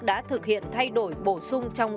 đã thực hiện thay đổi bổ sung trong